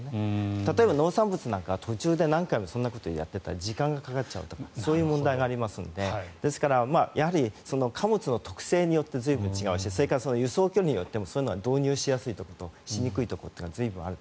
例えば、農産物なんか途中で何回もそういうことをやっていたら時間がかかっちゃうとかそういう問題がありますからですから、やはり貨物の特性によって随分、違うし輸送距離によってもそういうのは導入しやすいところとしにくいところがある。